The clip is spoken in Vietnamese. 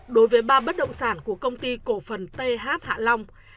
đối với ba bất động sản của công ty cổ phần th hạ long